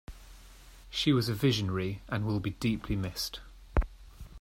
She was a visionary and will be deeply missed.